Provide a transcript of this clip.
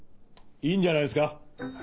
いいんじゃないですか。